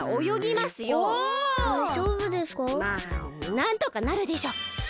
まあなんとかなるでしょ。